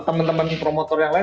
teman teman promotor yang lain